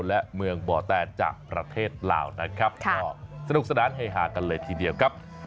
และเมืองบ่อแตนจากประเทศลาวนะครับก็สนุกสนานเฮฮากันเลยทีเดียวครับ